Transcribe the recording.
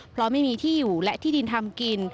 เพราะไม่มีที่อยู่และที่ดินทำกิน